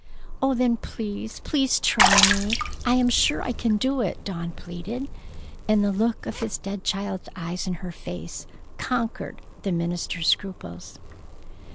"Oh, then, please, please, try me! I am sure I can do it," Dawn pleaded, and the look of his dead child's eyes in her face conquered the minister's scruples.